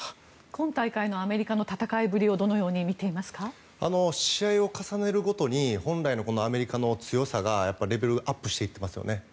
今大会のアメリカの戦いぶりを試合を重ねるごとに本来のアメリカの強さがレベルアップしていってますよね。